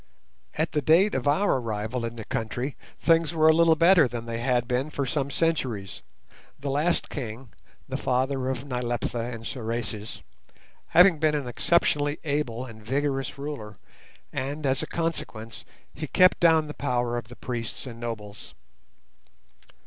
At the date of our arrival in the country things were a little better than they had been for some centuries, the last king, the father of Nyleptha and Sorais, having been an exceptionally able and vigorous ruler, and, as a consequence, he kept down the power of the priests and nobles.